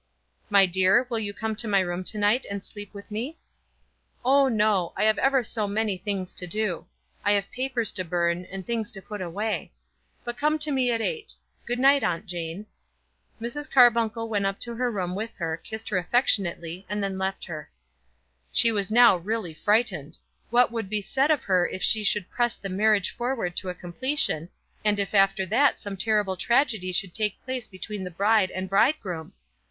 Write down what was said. "My dear, will you come to my room to night, and sleep with me?" "Oh, no. I have ever so many things to do. I have papers to burn, and things to put away. But come to me at eight. Good night, Aunt Jane." Mrs. Carbuncle went up to her room with her, kissed her affectionately, and then left her. She was now really frightened. What would be said of her if she should press the marriage forward to a completion, and if after that some terrible tragedy should take place between the bride and bridegroom?